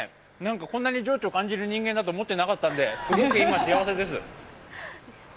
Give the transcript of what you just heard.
こんなに情緒を感じる人間だと思っていなかったので、今幸せです。